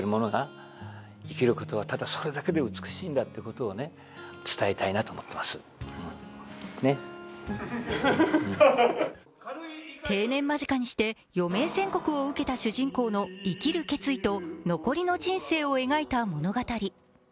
今回で３度目の上演となるのですが定年間近にして余命宣告を受けた主人公の生きる決意と残りの人生を描いた物語。